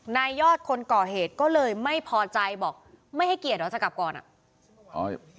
นายยอดคนก่อเหตุก็เลยไม่พอใจบอกไม่ให้เกียรติเหรอจะกลับก่อนอ่ะ